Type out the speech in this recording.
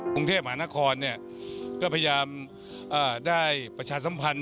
กรุงเทพมหานครก็พยายามได้ประชาสัมพันธ